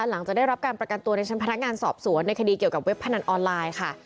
หลังจากได้รับการประกันตัวในชั้นพนักงานสอบสวนในคดีเกี่ยวกับเว็บพนันออนไลน์ค่ะ